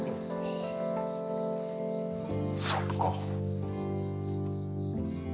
そっか。